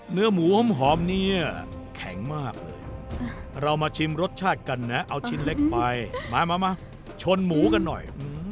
เนื้อหมูหอมเนี่ยแข็งมากเลยเรามาชิมรสชาติกันนะเอาชิ้นเล็กไปมามาชนหมูกันหน่อย